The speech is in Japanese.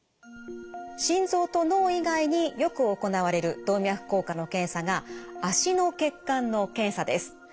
心臓と脳以外によく行われる動脈硬化の検査が脚の血管の検査です。